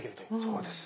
そうです。